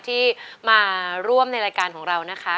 ที่มาร่วมในรายการของเรานะคะ